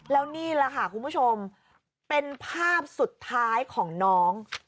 แล้วนี่แหละค่ะคุณผู้ชมเป็นภาพสุดท้ายของน้อง